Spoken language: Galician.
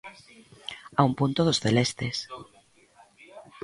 A un punto dos celestes.